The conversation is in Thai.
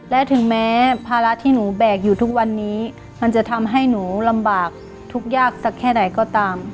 และถึงแม้ภาระที่หนูแบกอยู่ทุกวันนี้มันจะทำให้หนูลำบากทุกข์ยากสักแค่ไหนก็ตาม